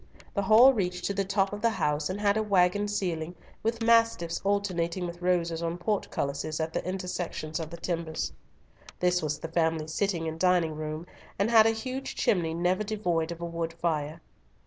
The hall reached to the top of the house, and had a waggon ceiling, with mastiffs alternating with roses on portcullises at the intersections of the timbers. This was the family sitting and dining room, and had a huge chimney never devoid of a wood fire.